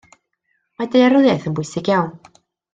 Mae daearyddiaeth yn bwysig iawn.